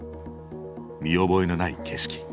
見覚えのない景色。